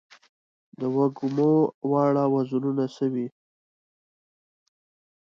د وږمو واړه وزرونه سوی